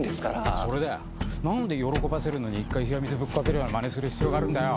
それだよ何で喜ばせるのに一回冷や水ぶっ掛けるようなまねする必要があるんだよ？